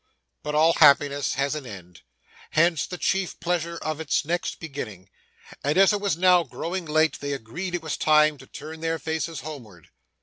But all happiness has an end hence the chief pleasure of its next beginning and as it was now growing late, they agreed it was time to turn their faces homewards.